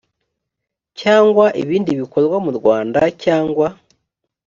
cyangwa ibindi bikorwa mu rwanda cyangwa